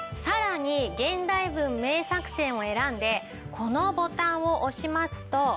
さらに「現代文名作選」を選んでこのボタンを押しますと。